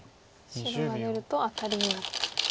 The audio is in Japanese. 白が出るとアタリになってると。